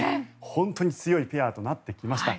本当に強いペアとなってきました。